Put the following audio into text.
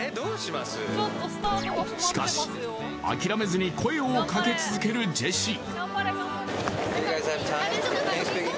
しかし諦めずに声をかけ続けるジェシー